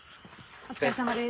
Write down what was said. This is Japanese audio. お疲れさまです。